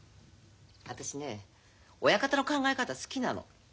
私ね親方の考え方好きなの。